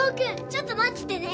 ちょっと待っててね。